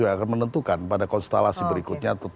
yang akan menentukan pada konstelasi berikutnya